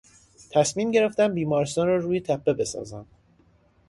تصمیم گرفتند بیمارستان را روی تپهای بسازند.